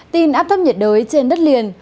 tin áp thấp nhiệt đới trên đất liền